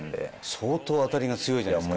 相当当たりが強いじゃないですか。